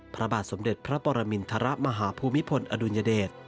พระบาทสมเด็จพระปรมินทรมาฮภูมิพลอดุลยเดช